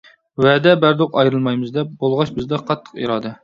ۋەدە بەردۇق ئايرىلمايمىز دەپ، بولغاچ بىزدە قاتتىق ئىرادە.